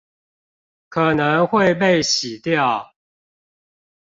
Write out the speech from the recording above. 可能會被洗掉